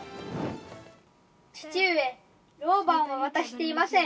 父上、ろう番は渡していません。